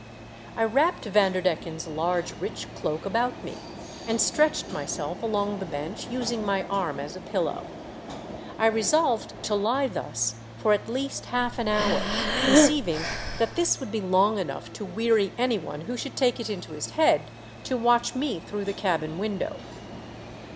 I wrapped Vanderdecken's large rich cloak about me, and stretched myself along the bench, using my arm as a pillow. I resolved to lie thus for at least half an hour, conceiving that this would be long enough to weary any one who should take it into his head to watch me through the cabin window.